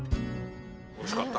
おいしかった。